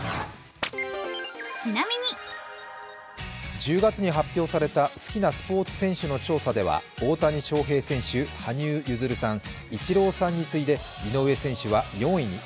１０月に発表された好きなスポーツ選手の調査では大谷翔平選手、羽生結弦さん、イチローさんに次いで井上選手は４位に。